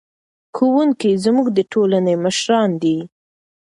ښوونکي زموږ د ټولنې مشران دي.